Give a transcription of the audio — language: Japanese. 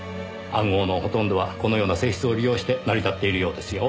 暗号のほとんどはこのような性質を利用して成り立っているようですよ。